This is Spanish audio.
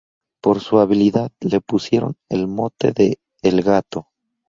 Por su habilidad, le pusieron el mote de "el gato".